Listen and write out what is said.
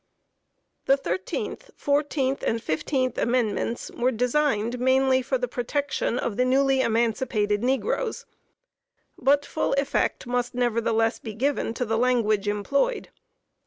The 13th, 14th and 15th Amendments were designed mainly for the protection of the newly emancipated negroes, but full effect must nevertheless be given to the language employed.